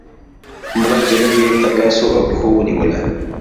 مړه نجلۍ يې تر لاسو او پښو ونيوله